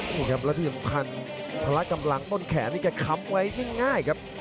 นี่ครับระดิ่มพันธ์พละกำลังต้นแขนนี่ก็ค้ำไว้ง่ายครับ